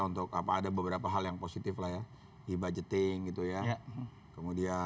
untuk apa ada beberapa hal yang positif lah ya di budgeting gitu ya